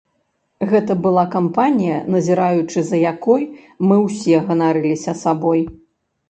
Гэта была кампанія, назіраючы за якой, мы ўсе ганарыліся сабой.